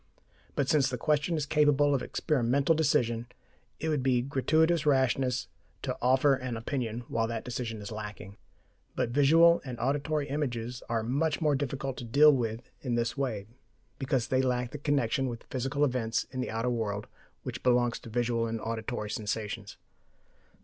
But since the question is capable of experimental decision, it would be gratuitous rashness to offer an opinion while that decision is lacking. But visual and auditory images are much more difficult to deal with in this way, because they lack the connection with physical events in the outer world which belongs to visual and auditory sensations.